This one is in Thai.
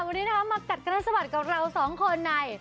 วันนี้มากัดกันสะบัดกับเราสองคนใน